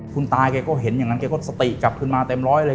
คุณตาแกก็เห็นอย่างนั้นแกก็สติกลับขึ้นมาเต็มร้อยเลย